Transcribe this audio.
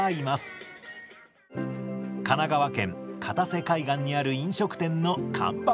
神奈川県片瀬海岸にある飲食店の看板ロボットです。